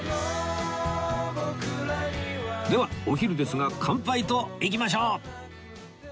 ではお昼ですが乾杯といきましょう